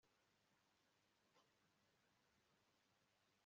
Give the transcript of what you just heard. Tuzatangira ageze hano